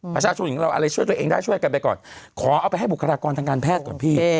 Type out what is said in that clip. ประชาชนอย่างเราอะไรช่วยตัวเองได้ช่วยกันไปก่อนขอเอาไปให้บุคลากรทางการแพทย์ก่อนพี่